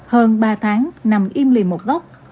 hơn ba tháng nằm im lì một góc